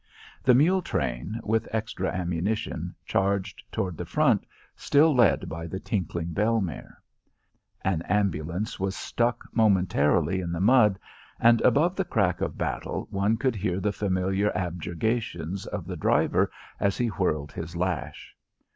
The mule train, with extra ammunition, charged toward the front, still led by the tinkling bell mare. An ambulance was stuck momentarily in the mud, and above the crack of battle one could hear the familiar objurgations of the driver as he whirled his lash.